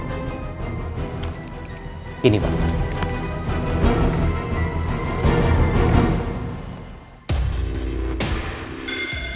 tapi ini bukan penyewa mobil saya yang disanyikan oleh anggota kepolisian